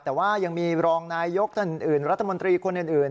แต่ว่ายังมีรองนายยกท่านอื่นรัฐมนตรีคนอื่น